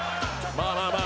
まあ、まあ、まあ。